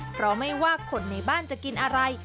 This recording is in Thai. เพราะไม่ว่าคนในบ้านจะกินอะไร